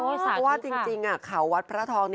นี่สามารถคิดค่ะเพราะว่าจริงข่าววัดพระทอง